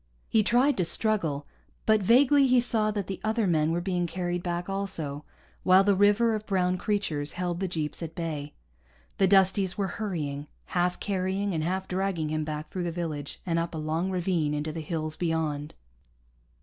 He tried to struggle, but vaguely he saw that the other men were being carried back also, while the river of brown creatures held the jeeps at bay. The Dusties were hurrying, half carrying and half dragging him back through the village and up a long ravine into the hills beyond.